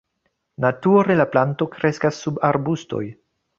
Nature la planto kreskas sub arbustoj.